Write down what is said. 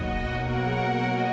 hancur mereka selesai